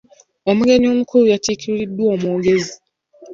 Omugenyi omukulu yakiikiridddwa omwogezi.